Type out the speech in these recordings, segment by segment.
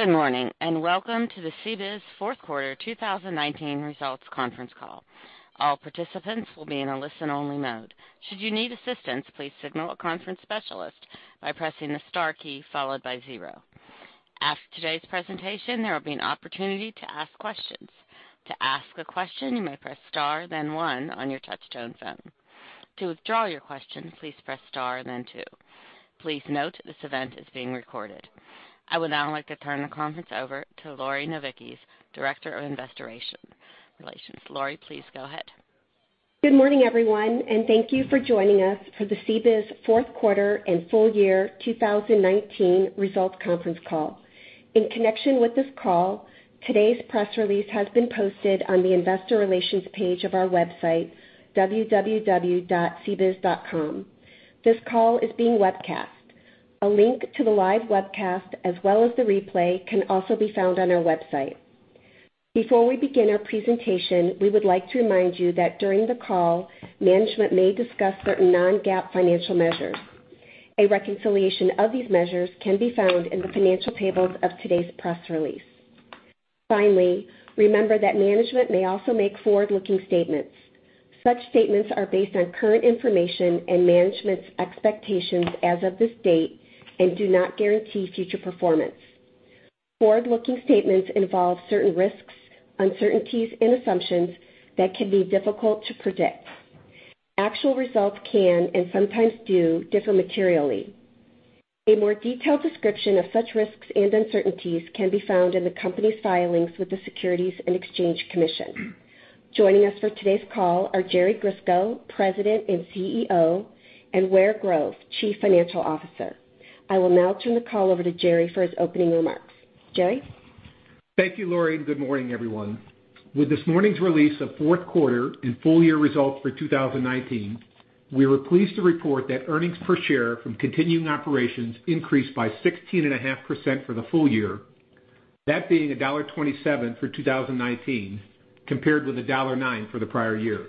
Good morning, welcome to the CBIZ fourth quarter 2019 results conference call. All participants will be in a listen-only mode. Should you need assistance, please signal a conference specialist by pressing the star key followed by zero. After today's presentation, there will be an opportunity to ask questions. To ask a question, you may press star then one on your touch-tone phone. To withdraw your question, please press star then two. Please note, this event is being recorded. I would now like to turn the conference over to Lori Novickis, Director of Investor Relations. Lori, please go ahead. Good morning, everyone, and thank you for joining us for the CBIZ fourth quarter and full year 2019 results conference call. In connection with this call, today's press release has been posted on the investor relations page of our website, www.cbiz.com. This call is being webcast. A link to the live webcast, as well as the replay, can also be found on our website. Before we begin our presentation, we would like to remind you that during the call, management may discuss certain non-GAAP financial measures. A reconciliation of these measures can be found in the financial tables of today's press release. Finally, remember that management may also make forward-looking statements. Such statements are based on current information and management's expectations as of this date and do not guarantee future performance. Forward-looking statements involve certain risks, uncertainties, and assumptions that can be difficult to predict. Actual results can, and sometimes do, differ materially. A more detailed description of such risks and uncertainties can be found in the company's filings with the Securities and Exchange Commission. Joining us for today's call are Jerry Grisko, President and CEO, and Ware Grove, Chief Financial Officer. I will now turn the call over to Jerry for his opening remarks. Jerry? Thank you, Lori, and good morning, everyone. With this morning's release of fourth quarter and full-year results for 2019, we were pleased to report that earnings per share from continuing operations increased by 16.5% for the full year, that being $1.27 for 2019, compared with $1.09 for the prior year.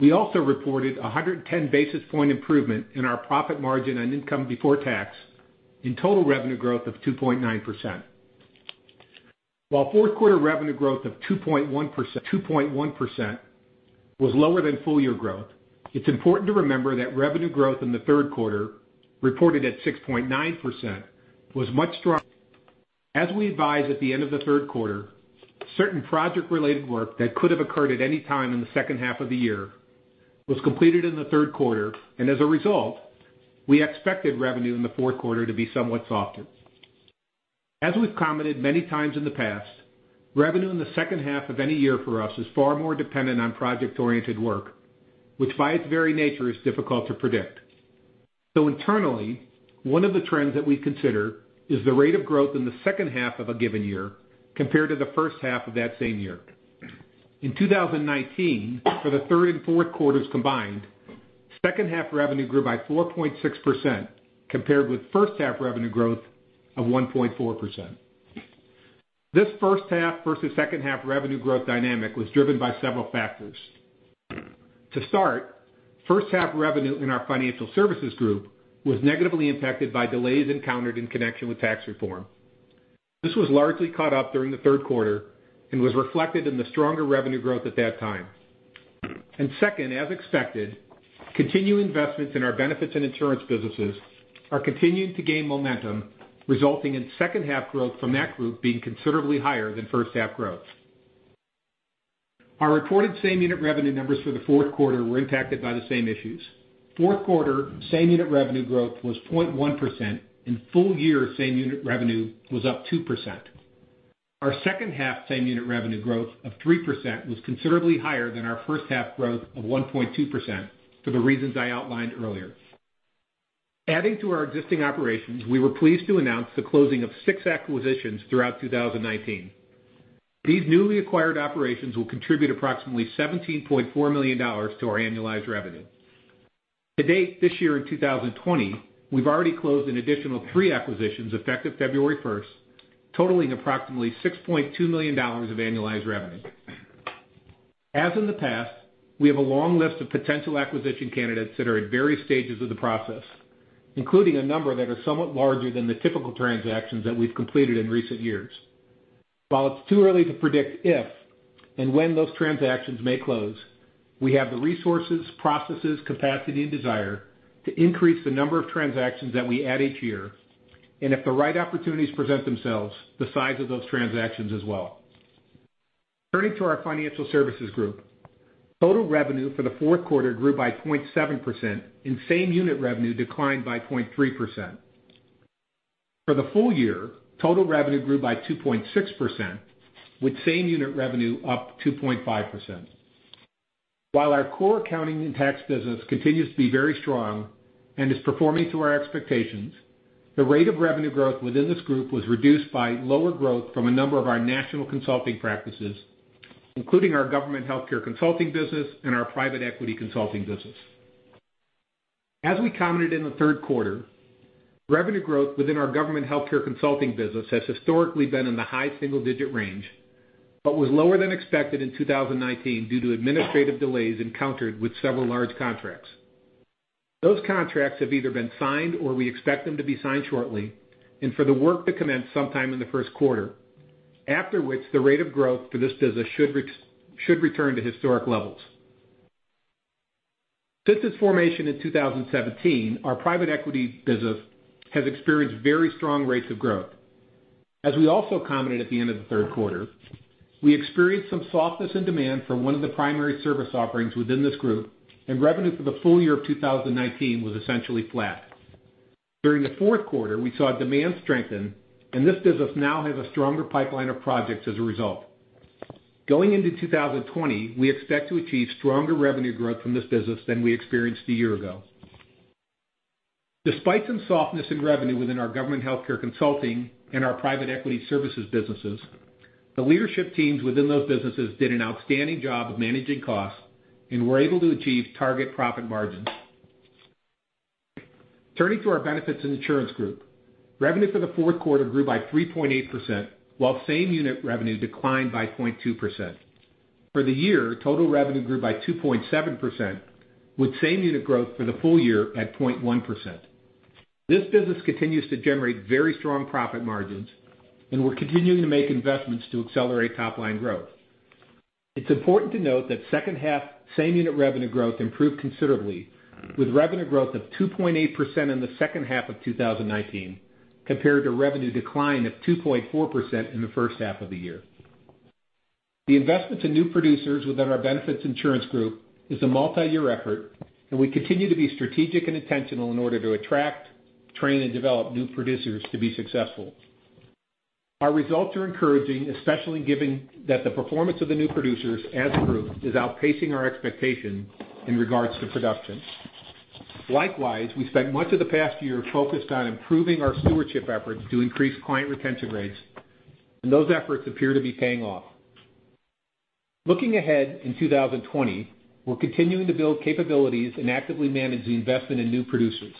We also reported 110 basis point improvement in our profit margin and income before tax and total revenue growth of 2.9%. While fourth quarter revenue growth of 2.1% was lower than full-year growth, it's important to remember that revenue growth in the third quarter, reported at 6.9%, was much stronger. As we advised at the end of the third quarter, certain project-related work that could have occurred at any time in the second half of the year was completed in the third quarter, and as a result, we expected revenue in the fourth quarter to be somewhat softer. As we've commented many times in the past, revenue in the second half of any year for us is far more dependent on project-oriented work, which by its very nature is difficult to predict. Internally, one of the trends that we consider is the rate of growth in the second half of a given year compared to the first half of that same year. In 2019, for the third and fourth quarters combined, second half revenue grew by 4.6%, compared with first half revenue growth of 1.4%. This first half versus second half revenue growth dynamic was driven by several factors. First half revenue in our Financial Services group was negatively impacted by delays encountered in connection with tax reform. This was largely caught up during the third quarter and was reflected in the stronger revenue growth at that time. Second, as expected, continued investments in our Benefits and Insurance businesses are continuing to gain momentum, resulting in second half growth from that group being considerably higher than first half growth. Our reported same-unit revenue numbers for the fourth quarter were impacted by the same issues. Fourth quarter same-unit revenue growth was 0.1%, and full-year same-unit revenue was up 2%. Our second half same-unit revenue growth of 3% was considerably higher than our first half growth of 1.2% for the reasons I outlined earlier. Adding to our existing operations, we were pleased to announce the closing of six acquisitions throughout 2019. These newly acquired operations will contribute approximately $17.4 million to our annualized revenue. To date, this year in 2020, we've already closed an additional three acquisitions effective February 1st, totaling approximately $6.2 million of annualized revenue. As in the past, we have a long list of potential acquisition candidates that are at various stages of the process, including a number that are somewhat larger than the typical transactions that we've completed in recent years. While it's too early to predict if and when those transactions may close, we have the resources, processes, capacity, and desire to increase the number of transactions that we add each year, and if the right opportunities present themselves, the size of those transactions as well. Turning to our Financial Services group, total revenue for the fourth quarter grew by 0.7%, and same-unit revenue declined by 0.3%. For the full year, total revenue grew by 2.6%, with same-unit revenue up 2.5%. While our core accounting and tax business continues to be very strong and is performing to our expectations, the rate of revenue growth within this group was reduced by lower growth from a number of our national consulting practices, including our government healthcare consulting business and our private equity consulting business. As we commented in the third quarter, revenue growth within our government healthcare consulting business has historically been in the high single-digit range, but was lower than expected in 2019 due to administrative delays encountered with several large contracts. Those contracts have either been signed or we expect them to be signed shortly, and for the work to commence sometime in the first quarter. After which, the rate of growth for this business should return to historic levels. Since its formation in 2017, our private equity business has experienced very strong rates of growth. As we also commented at the end of the third quarter, we experienced some softness in demand for one of the primary service offerings within this group, and revenue for the full year of 2019 was essentially flat. During the fourth quarter, we saw demand strengthen, and this business now has a stronger pipeline of projects as a result. Going into 2020, we expect to achieve stronger revenue growth from this business than we experienced a year ago. Despite some softness in revenue within our government healthcare consulting and our private equity services businesses, the leadership teams within those businesses did an outstanding job of managing costs and were able to achieve target profit margins. Turning to our Benefits and Insurance group, revenue for the fourth quarter grew by 3.8%, while same unit revenue declined by 0.2%. For the year, total revenue grew by 2.7%, with same unit growth for the full year at 0.1%. This business continues to generate very strong profit margins, and we're continuing to make investments to accelerate top-line growth. It's important to note that second half same unit revenue growth improved considerably, with revenue growth of 2.8% in the second half of 2019, compared to revenue decline of 2.4% in the first half of the year. The investment to new producers within our Benefits and Insurance group is a multi-year effort, and we continue to be strategic and intentional in order to attract, train, and develop new producers to be successful. Our results are encouraging, especially given that the performance of the new producers as a group is outpacing our expectations in regards to production. Likewise, we spent much of the past year focused on improving our stewardship efforts to increase client retention rates, and those efforts appear to be paying off. Looking ahead in 2020, we're continuing to build capabilities and actively manage the investment in new producers.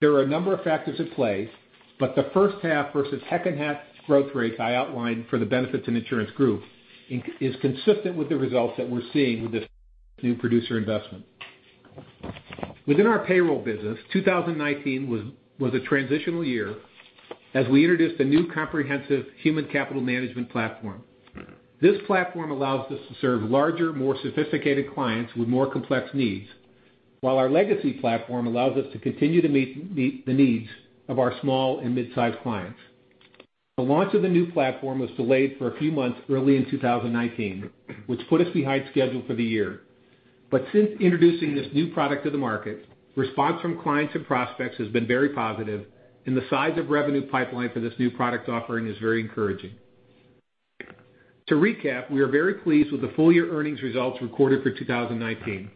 There are a number of factors at play, but the first half versus second half growth rates I outlined for the Benefits and Insurance group is consistent with the results that we're seeing with this new producer investment. Within our payroll business, 2019 was a transitional year as we introduced a new comprehensive human capital management platform. This platform allows us to serve larger, more sophisticated clients with more complex needs, while our legacy platform allows us to continue to meet the needs of our small and mid-size clients. The launch of the new platform was delayed for a few months early in 2019, which put us behind schedule for the year. Response from clients and prospects has been very positive, and the size of revenue pipeline for this new product offering is very encouraging. To recap, we are very pleased with the full year earnings results recorded for 2019.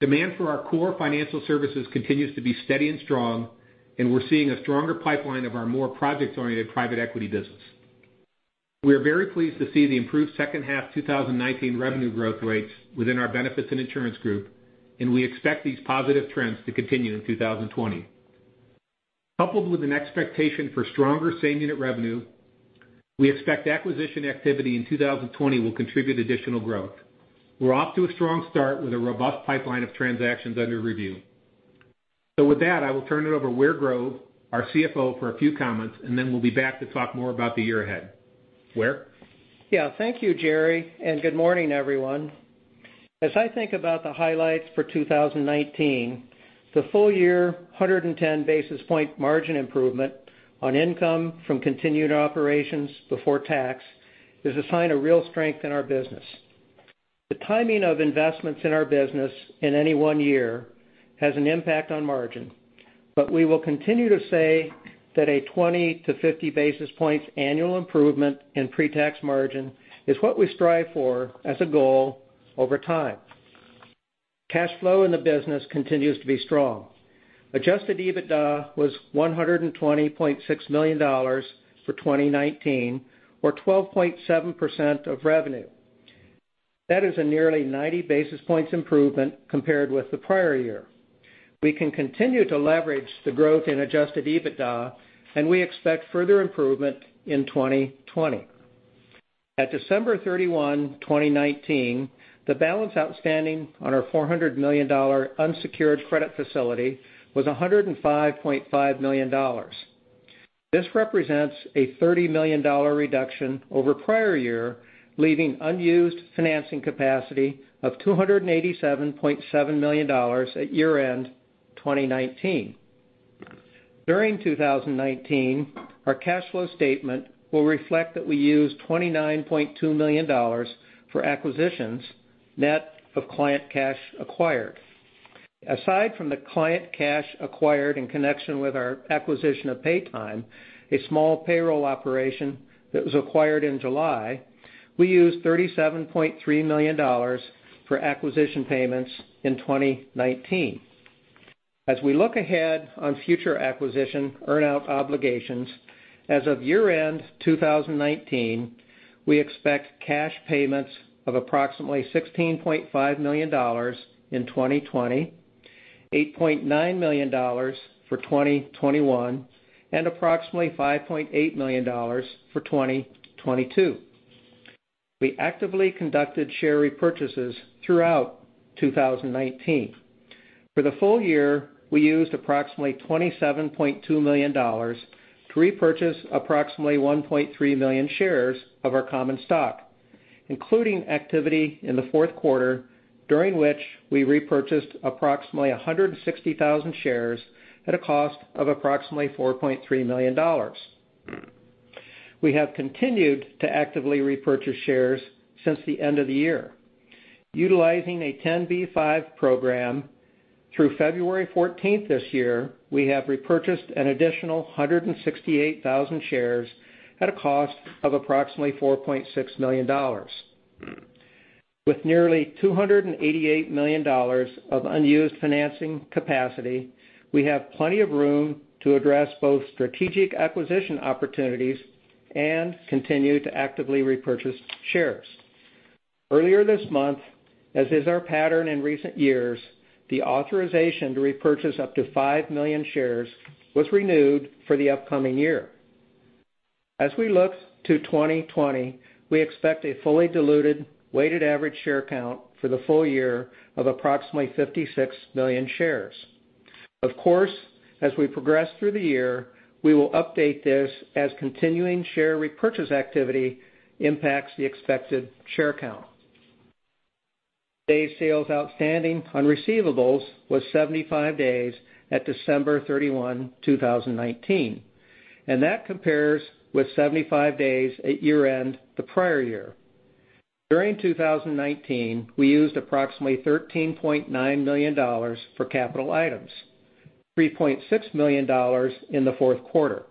Demand for our core Financial Services continues to be steady and strong, and we're seeing a stronger pipeline of our more projects-oriented private equity business. We are very pleased to see the improved second half 2019 revenue growth rates within our Benefits and Insurance group, and we expect these positive trends to continue in 2020. Coupled with an expectation for stronger same unit revenue, we expect acquisition activity in 2020 will contribute additional growth. We're off to a strong start with a robust pipeline of transactions under review. With that, I will turn it over to Ware Grove, our CFO, for a few comments, and then we'll be back to talk more about the year ahead. Ware? Yeah. Thank you, Jerry, and good morning, everyone. As I think about the highlights for 2019, the full year 110 basis point margin improvement on income from continued operations before tax is a sign of real strength in our business. The timing of investments in our business in any one year has an impact on margin, but we will continue to say that a 20-50 basis points annual improvement in pre-tax margin is what we strive for as a goal over time. Cash flow in the business continues to be strong. Adjusted EBITDA was $120.6 million for 2019, or 12.7% of revenue. That is a nearly 90 basis points improvement compared with the prior year. We can continue to leverage the growth in adjusted EBITDA, and we expect further improvement in 2020. At December 31, 2019, the balance outstanding on our $400 million unsecured credit facility was $105.5 million. This represents a $30 million reduction over prior year, leaving unused financing capacity of $287.7 million at year-end 2019. During 2019, our cash flow statement will reflect that we used $29.2 million for acquisitions, net of client cash acquired. Aside from the client cash acquired in connection with our acquisition of Paytime, a small payroll operation that was acquired in July, we used $37.3 million for acquisition payments in 2019. As we look ahead on future acquisition earn-out obligations, as of year-end 2019, we expect cash payments of approximately $16.5 million in 2020, $8.9 million for 2021, and approximately $5.8 million for 2022. We actively conducted share repurchases throughout 2019. For the full year, we used approximately $27.2 million to repurchase approximately 1.3 million shares of our common stock, including activity in the fourth quarter, during which we repurchased approximately 160,000 shares at a cost of approximately $4.3 million. We have continued to actively repurchase shares since the end of the year. Utilizing a 10b5 program through February 14th this year, we have repurchased an additional 168,000 shares at a cost of approximately $4.6 million. With nearly $288 million of unused financing capacity, we have plenty of room to address both strategic acquisition opportunities and continue to actively repurchase shares. Earlier this month, as is our pattern in recent years, the authorization to repurchase up to 5 million shares was renewed for the upcoming year. As we look to 2020, we expect a fully diluted weighted average share count for the full year of approximately 56 million shares. Of course, as we progress through the year, we will update this as continuing share repurchase activity impacts the expected share count. Days sales outstanding on receivables was 75 days at December 31, 2019, and that compares with 75 days at year-end the prior year. During 2019, we used approximately $13.9 million for capital items, $3.6 million in the fourth quarter.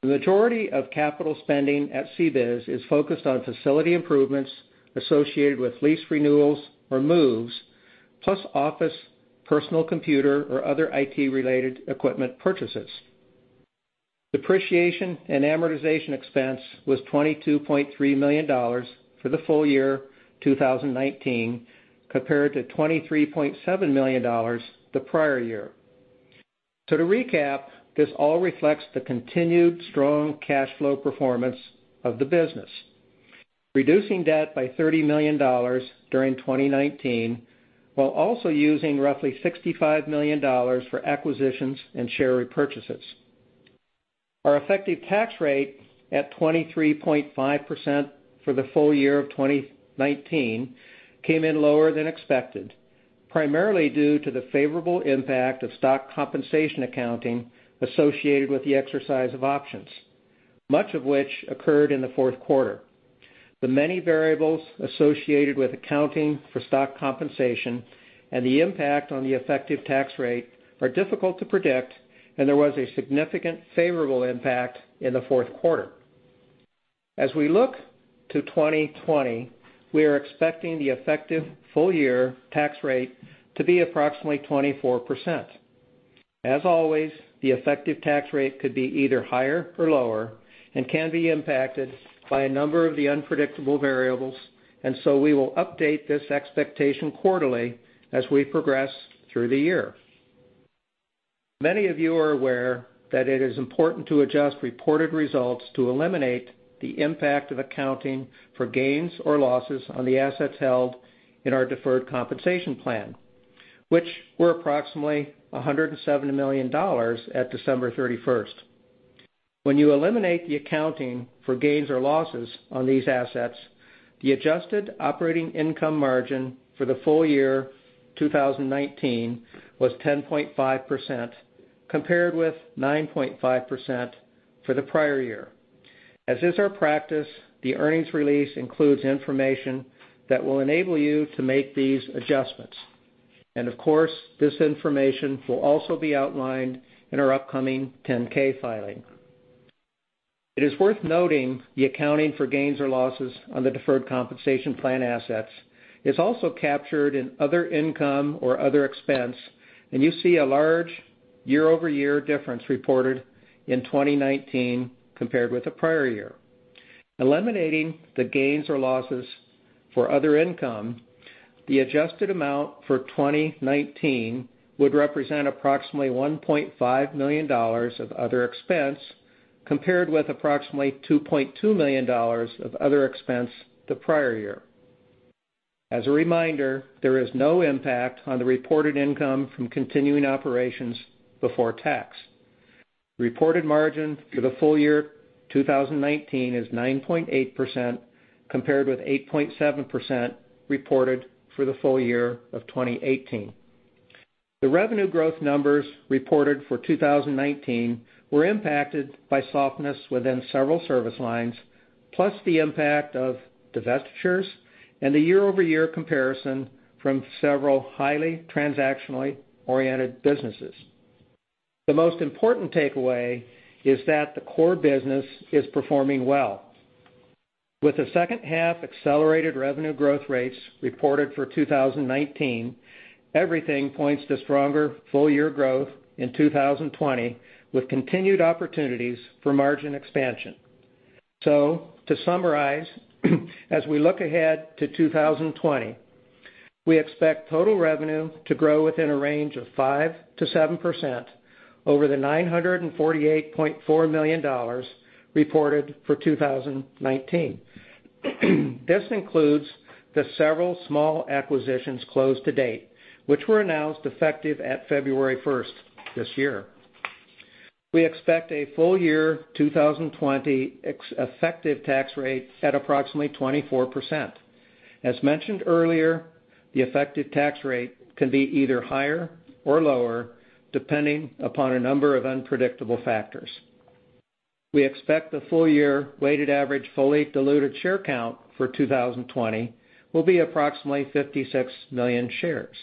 The majority of capital spending at CBIZ is focused on facility improvements associated with lease renewals or moves, plus office, personal computer, or other IT-related equipment purchases. Depreciation and amortization expense was $22.3 million for the full year 2019, compared to $23.7 million the prior year. To recap, this all reflects the continued strong cash flow performance of the business, reducing debt by $30 million during 2019, while also using roughly $65 million for acquisitions and share repurchases. Our effective tax rate at 23.5% for the full year of 2019 came in lower than expected, primarily due to the favorable impact of stock compensation accounting associated with the exercise of options, much of which occurred in the fourth quarter. The many variables associated with accounting for stock compensation and the impact on the effective tax rate are difficult to predict, and there was a significant favorable impact in the fourth quarter. As we look to 2020, we are expecting the effective full-year tax rate to be approximately 24%. As always, the effective tax rate could be either higher or lower and can be impacted by a number of the unpredictable variables. We will update this expectation quarterly as we progress through the year. Many of you are aware that it is important to adjust reported results to eliminate the impact of accounting for gains or losses on the assets held in our deferred compensation plan, which were approximately $107 million at December 31st. When you eliminate the accounting for gains or losses on these assets, the adjusted operating income margin for the full year 2019 was 10.5%, compared with 9.5% for the prior year. As is our practice, the earnings release includes information that will enable you to make these adjustments. Of course, this information will also be outlined in our upcoming 10-K filing. It is worth noting the accounting for gains or losses on the deferred compensation plan assets is also captured in other income or other expense, and you see a large year-over-year difference reported in 2019 compared with the prior year. Eliminating the gains or losses for other income, the adjusted amount for 2019 would represent approximately $1.5 million of other expense, compared with approximately $2.2 million of other expense the prior year. As a reminder, there is no impact on the reported income from continuing operations before tax. Reported margin for the full year 2019 is 9.8%, compared with 8.7% reported for the full year of 2018. The revenue growth numbers reported for 2019 were impacted by softness within several service lines, plus the impact of divestitures and the year-over-year comparison from several highly transactionally-oriented businesses. The most important takeaway is that the core business is performing well. With the second half accelerated revenue growth rates reported for 2019, everything points to stronger full-year growth in 2020, with continued opportunities for margin expansion. To summarize, as we look ahead to 2020, we expect total revenue to grow within a range of 5%-7% over the $948.4 million reported for 2019. This includes the several small acquisitions closed to date, which were announced effective at February 1st this year. We expect a full year 2020 effective tax rate at approximately 24%. As mentioned earlier, the effective tax rate can be either higher or lower, depending upon a number of unpredictable factors. We expect the full-year weighted average fully diluted share count for 2020 will be approximately 56 million shares.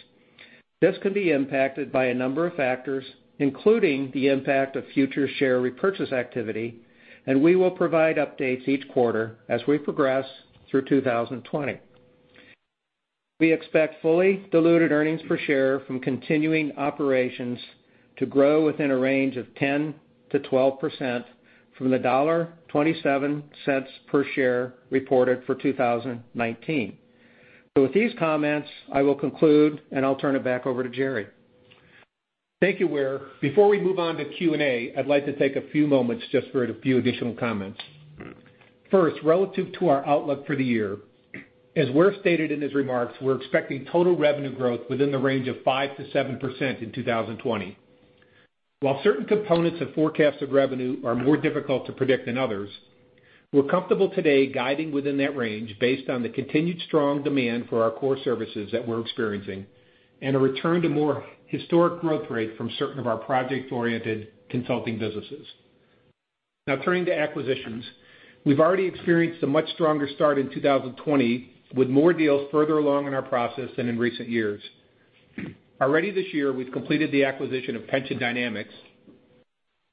This can be impacted by a number of factors, including the impact of future share repurchase activity, and we will provide updates each quarter as we progress through 2020. We expect fully diluted earnings per share from continuing operations to grow within a range of 10%-12% from the $1.27 per share reported for 2019. With these comments, I will conclude, and I'll turn it back over to Jerry. Thank you, Ware. Before we move on to Q&A, I'd like to take a few moments just for a few additional comments. First, relative to our outlook for the year, as Ware stated in his remarks, we're expecting total revenue growth within the range of 5%-7% in 2020. While certain components of forecasted revenue are more difficult to predict than others, we're comfortable today guiding within that range based on the continued strong demand for our core services that we're experiencing and a return to more historic growth rate from certain of our project-oriented consulting businesses. Turning to acquisitions. We've already experienced a much stronger start in 2020, with more deals further along in our process than in recent years. Already this year, we've completed the acquisition of Pension Dynamics,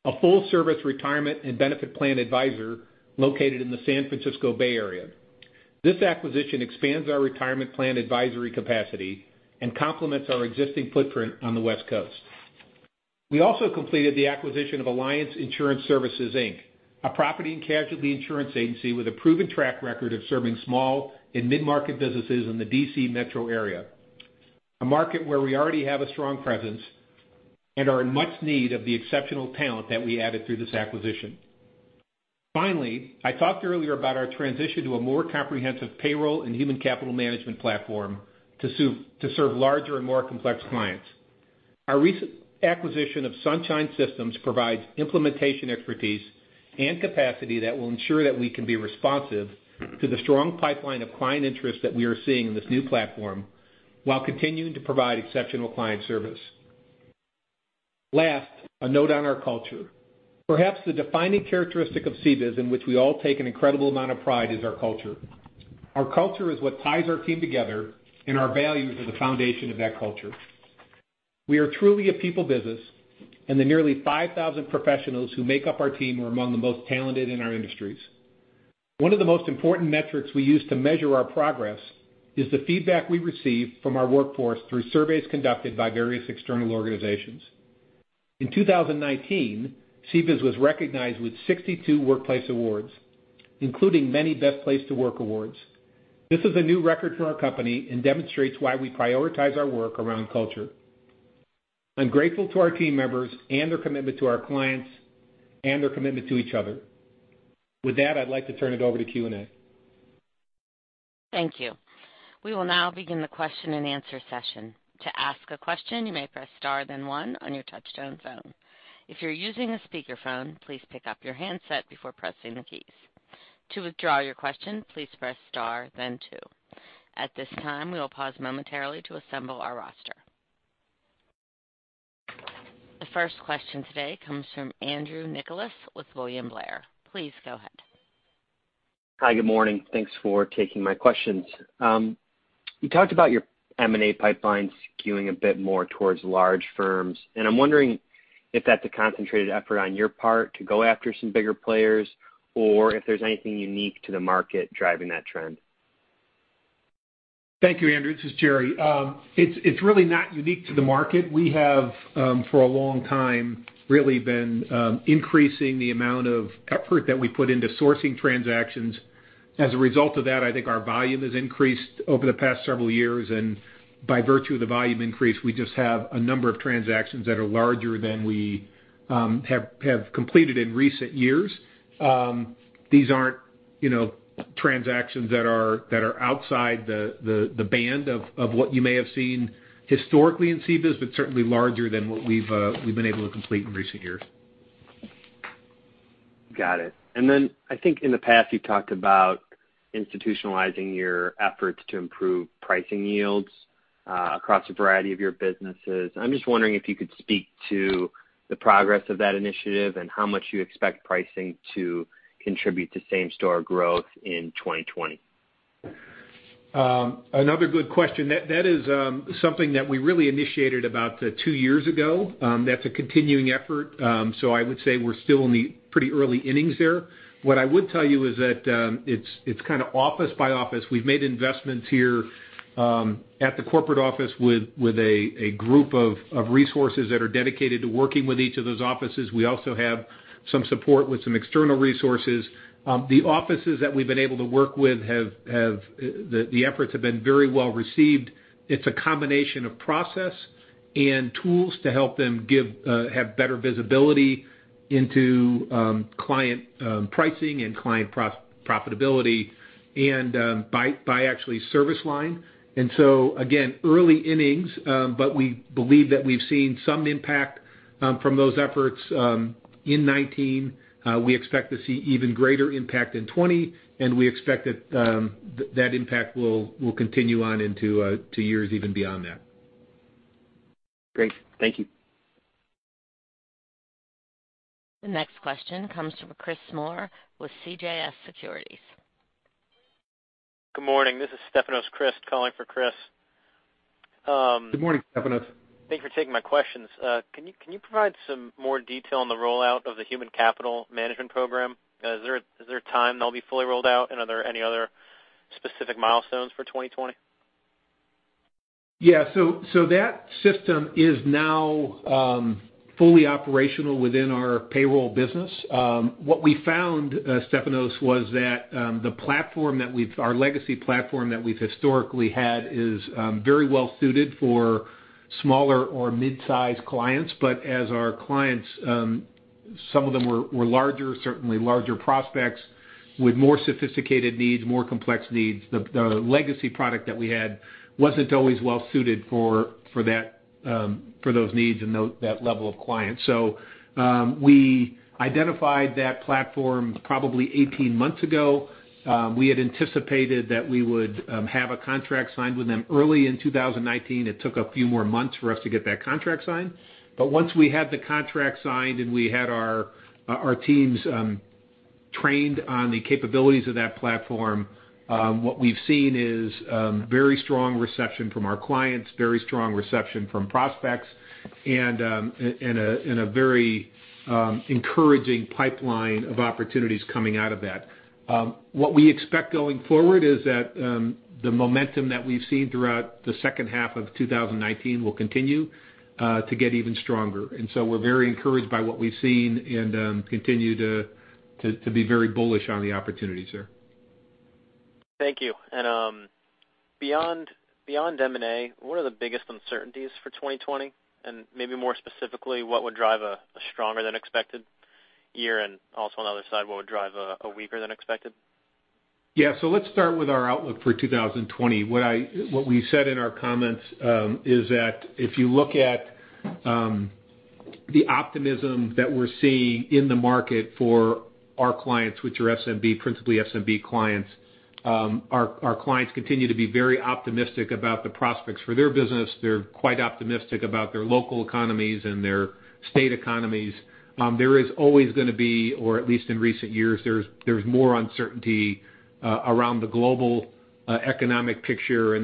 a full-service retirement and benefit plan advisor located in the San Francisco Bay Area. This acquisition expands our retirement plan advisory capacity and complements our existing footprint on the West Coast. We also completed the acquisition of Alliance Insurance Services, Inc, a property and casualty insurance agency with a proven track record of serving small and mid-market businesses in the D.C. metro area, a market where we already have a strong presence and are in much need of the exceptional talent that we added through this acquisition. Finally, I talked earlier about our transition to a more comprehensive payroll and human capital management platform to serve larger and more complex clients. Our recent acquisition of Sunshine Systems provides implementation expertise and capacity that will ensure that we can be responsive to the strong pipeline of client interest that we are seeing in this new platform while continuing to provide exceptional client service. Last, a note on our culture. Perhaps the defining characteristic of CBIZ, in which we all take an incredible amount of pride, is our culture. Our culture is what ties our team together, and our values are the foundation of that culture. We are truly a people business, and the nearly 5,000 professionals who make up our team are among the most talented in our industries. One of the most important metrics we use to measure our progress is the feedback we receive from our workforce through surveys conducted by various external organizations. In 2019, CBIZ was recognized with 62 workplace awards, including many best place to work awards. This is a new record for our company and demonstrates why we prioritize our work around culture. I'm grateful to our team members and their commitment to our clients and their commitment to each other. With that, I'd like to turn it over to Q&A. Thank you. We will now begin the question and answer session. To ask a question, you may press star then one on your touchtone phone. If you're using a speakerphone, please pick up your handset before pressing the keys. To withdraw your question, please press star then two. At this time, we will pause momentarily to assemble our roster. The first question today comes from Andrew Nicholas with William Blair. Please go ahead. Hi. Good morning. Thanks for taking my questions. You talked about your M&A pipeline skewing a bit more towards large firms, and I'm wondering if that's a concentrated effort on your part to go after some bigger players or if there's anything unique to the market driving that trend. Thank you, Andrew. This is Jerry. It's really not unique to the market. We have, for a long time, really been increasing the amount of effort that we put into sourcing transactions. As a result of that, I think our volume has increased over the past several years, and by virtue of the volume increase, we just have a number of transactions that are larger than we have completed in recent years. These aren't transactions that are outside the band of what you may have seen historically in CBIZ, but certainly larger than what we've been able to complete in recent years. Got it. I think in the past you've talked about institutionalizing your efforts to improve pricing yields across a variety of your businesses. I'm just wondering if you could speak to the progress of that initiative and how much you expect pricing to contribute to same-store growth in 2020. Another good question. That is something that we really initiated about two years ago. That's a continuing effort. I would say we're still in the pretty early innings there. What I would tell you is that it's kind of office by office. We've made investments here at the corporate office with a group of resources that are dedicated to working with each of those offices. We also have some support with some external resources. The offices that we've been able to work with, the efforts have been very well-received. It's a combination of process and tools to help them have better visibility into client pricing and client profitability by actually service line. Again, early innings, but we believe that we've seen some impact from those efforts in 2019. We expect to see even greater impact in 2020. We expect that impact will continue on into years even beyond that. Great. Thank you. The next question comes from Chris Moore with CJS Securities. Good morning. This is Stefanos Crist calling for Chris. Good morning, Stefanos. Thank you for taking my questions. Can you provide some more detail on the rollout of the human capital management program? Is there a time that'll be fully rolled out, and are there any other specific milestones for 2020? Yeah. That system is now fully operational within our payroll business. What we found, Stefanos, was that our legacy platform that we've historically had is very well-suited for smaller or mid-size clients. As our clients, some of them were larger, certainly larger prospects with more sophisticated needs, more complex needs. The legacy product that we had wasn't always well-suited for those needs and that level of client. We identified that platform probably 18 months ago. We had anticipated that we would have a contract signed with them early in 2019. It took a few more months for us to get that contract signed. Once we had the contract signed and we had our teams trained on the capabilities of that platform, what we've seen is very strong reception from our clients, very strong reception from prospects, and a very encouraging pipeline of opportunities coming out of that. What we expect going forward is that the momentum that we've seen throughout the second half of 2019 will continue to get even stronger. We're very encouraged by what we've seen and continue to be very bullish on the opportunities there. Thank you. Beyond M&A, what are the biggest uncertainties for 2020? Maybe more specifically, what would drive a stronger than expected year? Also on the other side, what would drive a weaker than expected? Yeah. Let's start with our outlook for 2020. What we said in our comments is that if you look at the optimism that we're seeing in the market for our clients, which are principally SMB clients. Our clients continue to be very optimistic about the prospects for their business. They're quite optimistic about their local economies and their state economies. There is always going to be, or at least in recent years, there's more uncertainty around the global economic picture.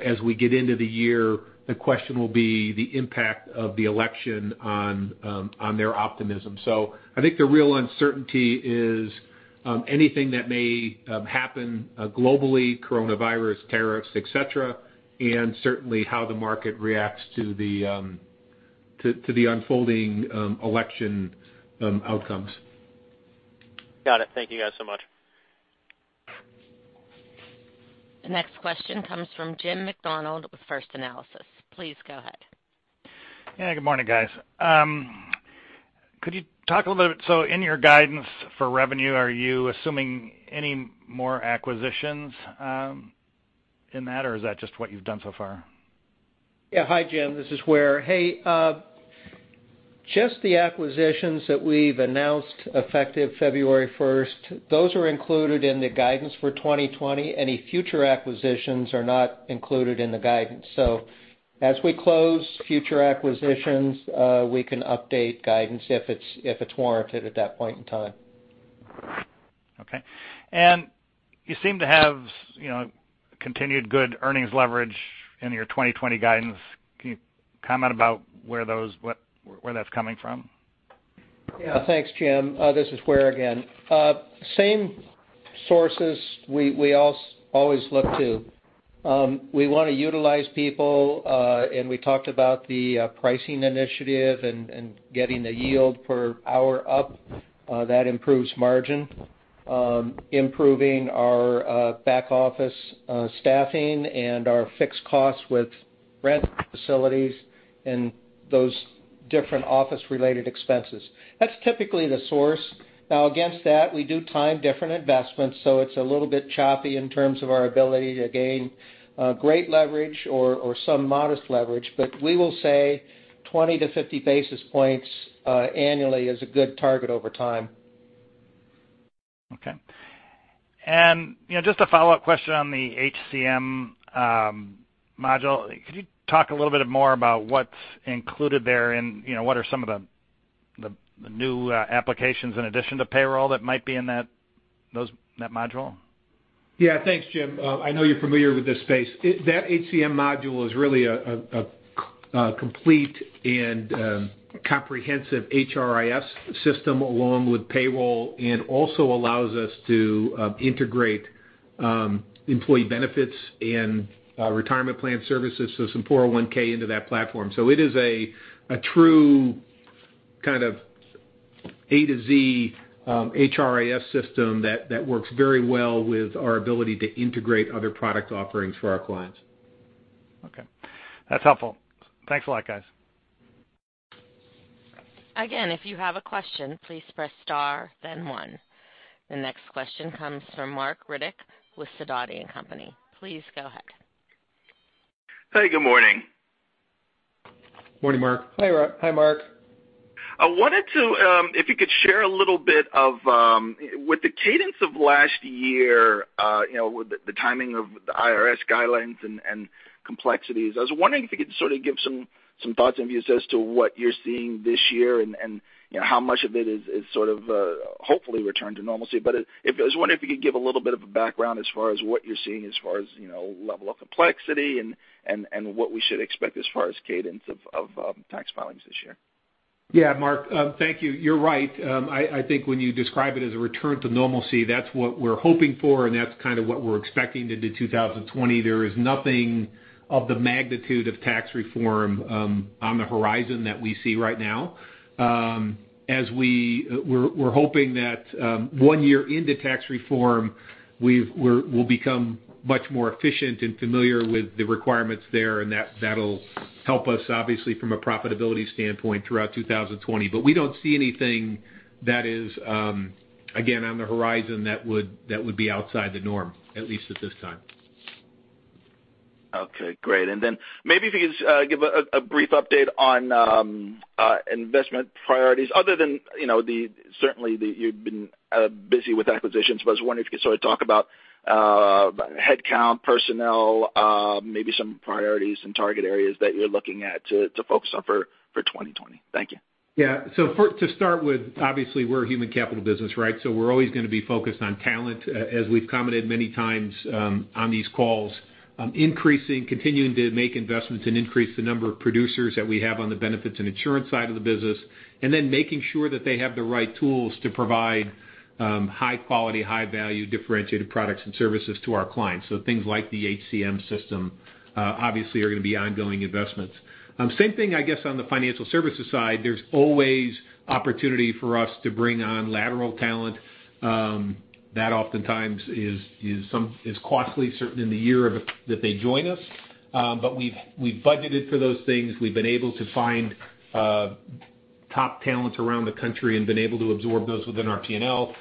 As we get into the year, the question will be the impact of the election on their optimism. I think the real uncertainty is anything that may happen globally, coronavirus, tariffs, et cetera, and certainly how the market reacts to the unfolding election outcomes. Got it. Thank you guys so much. The next question comes from Jim Macdonald with First Analysis. Please go ahead. Yeah, good morning, guys. Could you talk a little bit? In your guidance for revenue, are you assuming any more acquisitions in that, or is that just what you've done so far? Yeah. Hi, Jim. This is Ware. Hey, just the acquisitions that we've announced effective February first, those are included in the guidance for 2020. Any future acquisitions are not included in the guidance. As we close future acquisitions, we can update guidance if it's warranted at that point in time. Okay. You seem to have continued good earnings leverage in your 2020 guidance. Can you comment about where that's coming from? Yeah. Thanks, Jim. This is Ware again. Same sources we always look to. We want to utilize people. We talked about the pricing initiative and getting the yield per hour up. That improves margin. Improving our back-office staffing and our fixed costs with rent facilities and those different office-related expenses. That's typically the source. Now against that, we do time different investments, so it's a little bit choppy in terms of our ability to gain great leverage or some modest leverage. We will say 20-50 basis points annually is a good target over time. Okay. Just a follow-up question on the HCM module. Could you talk a little bit more about what's included there and what are some of the new applications in addition to payroll that might be in that module? Yeah. Thanks, Jim. I know you're familiar with this space. That HCM module is really a complete and comprehensive HRIS system along with payroll, and also allows us to integrate employee benefits and retirement plan services, so some 401 into that platform. It is a true kind of A-Z HRIS system that works very well with our ability to integrate other product offerings for our clients. Okay. That's helpful. Thanks a lot, guys. Again, if you have a question, please press star then one. The next question comes from Marc Riddick with Sidoti & Company. Please go ahead. Hey, good morning. Morning, Marc. Hi, Marc. I wanted to, if you could share a little bit of, with the cadence of last year, with the timing of the IRS guidelines and complexities, I was wondering if you could sort of give some thoughts and views as to what you're seeing this year and how much of it is sort of, hopefully return to normalcy. I was wondering if you could give a little bit of a background as far as what you're seeing as far as level of complexity and what we should expect as far as cadence of tax filings this year. Yeah, Marc. Thank you. You're right. I think when you describe it as a return to normalcy, that's what we're hoping for, and that's kind of what we're expecting into 2020. There is nothing of the magnitude of tax reform on the horizon that we see right now. We're hoping that one year into tax reform, we'll become much more efficient and familiar with the requirements there, and that'll help us, obviously, from a profitability standpoint throughout 2020. We don't see anything that is, again, on the horizon that would be outside the norm, at least at this time. Okay. Great. Maybe if you could give a brief update on investment priorities other than, certainly you've been busy with acquisitions, but I was wondering if you could sort of talk about headcount, personnel, maybe some priorities and target areas that you're looking at to focus on for 2020. Thank you. To start with, obviously, we're a human capital business, right? We're always going to be focused on talent, as we've commented many times on these calls. Increasing, continuing to make investments and increase the number of producers that we have on the Benefits and Insurance side of the business, and then making sure that they have the right tools to provide high quality, high value, differentiated products and services to our clients. Things like the HCM system, obviously, are going to be ongoing investments. Same thing, I guess, on the Financial Services side, there's always opportunity for us to bring on lateral talent. That oftentimes is costly, certainly in the year that they join us. We've budgeted for those things. We've been able to find top talent around the country and been able to absorb those within our P&L.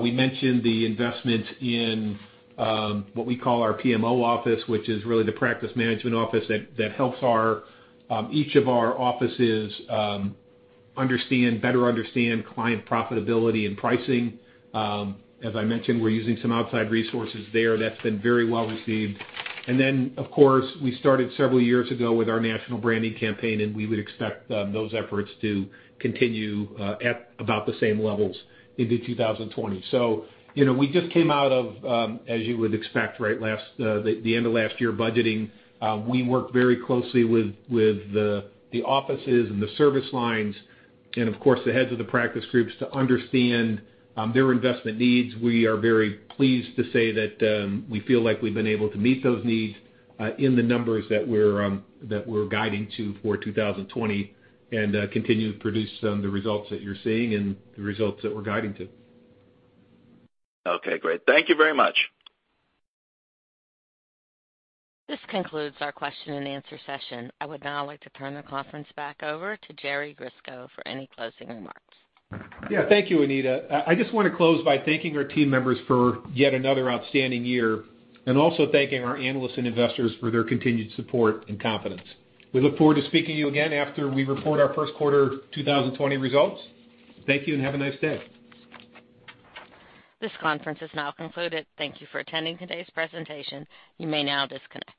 We mentioned the investment in what we call our PMO office, which is really the Practice Management Office that helps each of our offices better understand client profitability and pricing. As I mentioned, we're using some outside resources there. That's been very well received. Of course, we started several years ago with our national branding campaign, and we would expect those efforts to continue at about the same levels into 2020. We just came out of, as you would expect, the end of last year budgeting. We work very closely with the offices and the service lines, and of course, the heads of the practice groups to understand their investment needs. We are very pleased to say that we feel like we've been able to meet those needs in the numbers that we're guiding to for 2020 and continue to produce the results that you're seeing and the results that we're guiding to. Okay, great. Thank you very much. This concludes our question and answer session. I would now like to turn the conference back over to Jerry Grisko for any closing remarks. Yeah. Thank you, Anita. I just want to close by thanking our team members for yet another outstanding year, and also thanking our analysts and investors for their continued support and confidence. We look forward to speaking to you again after we report our first quarter 2020 results. Thank you, and have a nice day. This conference is now concluded. Thank you for attending today's presentation. You may now disconnect.